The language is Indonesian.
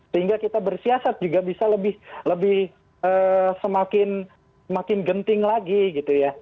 sehingga kita bersiasat juga bisa lebih semakin genting lagi gitu ya